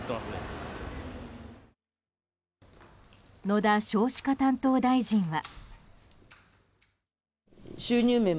野田少子化担当大臣は。